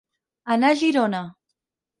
Anar a Girona.